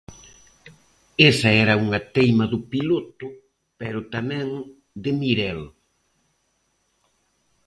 Esa era unha teima do Piloto, pero tamén de Mirelle.